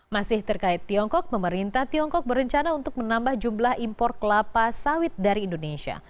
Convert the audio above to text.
masih terkait tiongkok pemerintah tiongkok berencana untuk menambah jumlah impor kelapa sawit dari indonesia